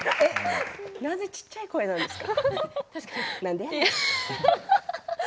なぜ小っちゃい声なんですか？